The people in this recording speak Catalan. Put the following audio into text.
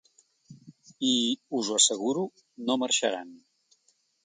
I, us ho asseguro, no marxaran.